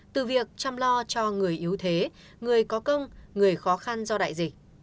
từ việc chăm lo cho người yếu thế người có công người khó khăn do đại dịch